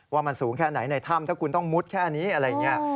ว่ามันสูงแค่ไหนในถ้ำถ้าคุณต้องมุดแค่นี้อะไรอย่างนี้